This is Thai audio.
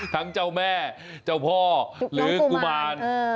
เจ้าแม่เจ้าพ่อหรือกุมาร